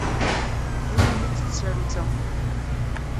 I wumi-tt tsarut-a?